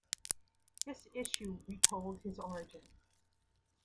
This issue retold his origin.